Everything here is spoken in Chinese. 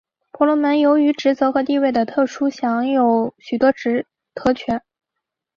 婆罗门由于职责和地位的特殊可享有许多特权。